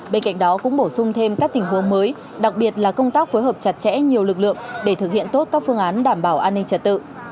bên cạnh đó cũng bổ sung thêm các tình huống mới đặc biệt là công tác phối hợp chặt chẽ nhiều lực lượng để thực hiện tốt các phương án đảm bảo an ninh trật tự